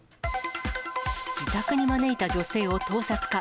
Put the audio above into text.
自宅に招いた女性を盗撮か。